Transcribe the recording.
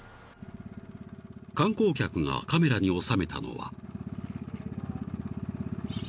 ［観光客がカメラに収めたのは］